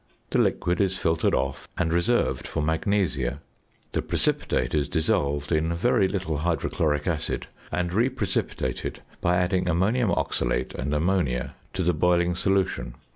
The liquid is filtered off and reserved for magnesia. The precipitate is dissolved in very little hydrochloric acid and reprecipitated by adding ammonium oxalate and ammonia to the boiling solution.